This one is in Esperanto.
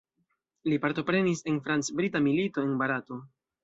Li partoprenis en franc-brita milito en Barato.